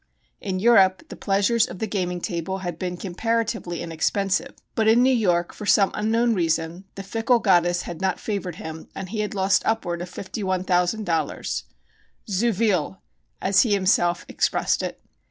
In Europe the pleasures of the gaming table had been comparatively inexpensive, but in New York for some unknown reason the fickle goddess had not favored him and he had lost upward of $51,000. "Zu viel!" as he himself expressed it.